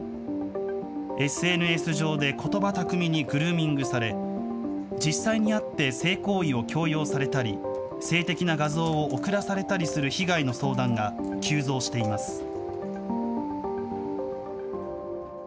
ＳＮＳ上でことば巧みにグルーミングされ、実際に会って性行為を強要されたり、性的な画像を送らされたりする被害の相談が急増しています。